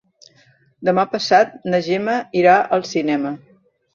Demà passat na Gemma irà al cinema.